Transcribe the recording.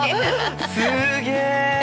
すげえ。